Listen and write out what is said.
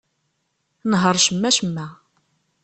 Nheṛ cemma-cemma.